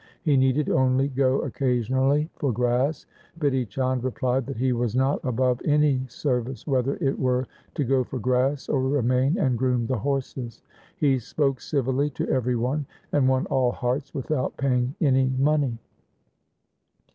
He needed only go occasionally for grass. Bidhi Chand replied that he was not above any service whether it were to go for grass or remain and groom the horses. He spoke civilly to every one and won all hearts without paying any money.